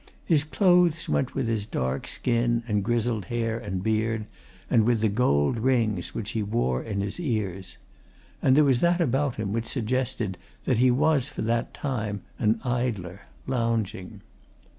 His clothes went with his dark skin and grizzled hair and beard, and with the gold rings which he wore in his ears. And there was that about him which suggested that he was for that time an idler, lounging.